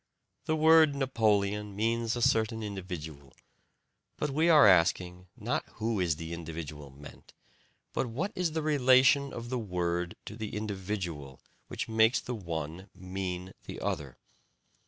The word "Napoleon" means a certain individual; but we are asking, not who is the individual meant, but what is the relation of the word to the individual which makes the one mean the other.